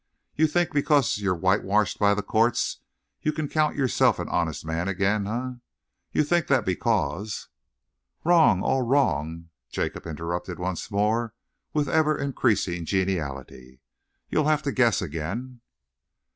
"You think because you're whitewashed by the courts you can count yourself an honest man again, eh? You think that because " "Wrong all wrong," Jacob interrupted once more, with ever increasing geniality. "You'll have to guess again."